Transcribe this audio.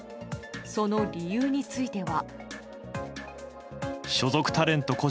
その理由については。